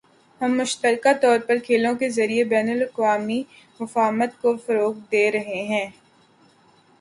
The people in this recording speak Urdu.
ہم مشترکہ طور پر کھیلوں کے ذریعے بین الاقوامی مفاہمت کو فروغ دے رہے ہیں